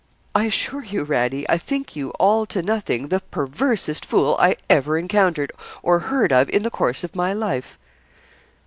I assure you, Radie, I think you, all to nothing, the perversest fool I ever encountered or heard of in the course of my life.'